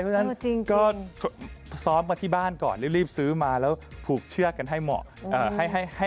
เพราะฉะนั้นก็ซ้อมมาที่บ้านก่อนรีบซื้อมาแล้วผูกเชือกกันให้เหมาะ